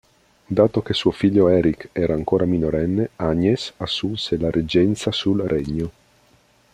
Dato che suo figlio Eric era ancora minorenne, Agnes assunse la reggenza sul regno.